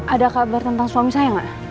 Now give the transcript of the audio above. ada kabar tentang suami saya nggak